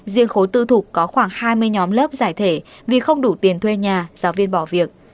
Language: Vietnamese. riêng khối tư thục có khoảng hai mươi nhóm lớp giải thể vì không đủ tiền thuê nhà giáo viên bỏ việc